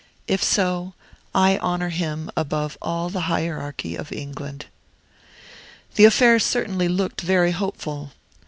If so, I honor him above all the hierarchy of England. The affair certainly looked very hopeful.